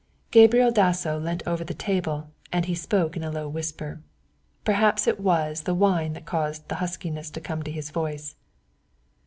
Gabriel Dasso leant over the table and he spoke in a low whisper. Perhaps it was the wine that caused the huskiness to come into his voice.